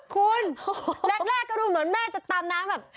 คุณแรกก็ดูเหมือนแม่จะตามน้ำแบบ